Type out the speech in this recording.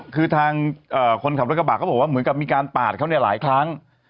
คือทางคนขับรถกระบะเขาบอกว่าเหมือนกับมีการปาดเขาเนี่ยหลายครั้ง